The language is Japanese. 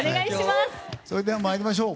それでは参りましょう。